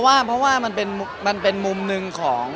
ว่าเพราะว่ามันเป็นมุมหนึ่งของ